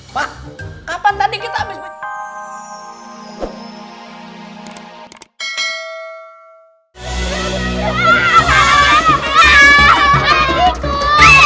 pak kapan tadi kita ambil participasi